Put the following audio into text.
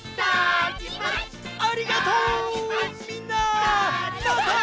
ありがとう！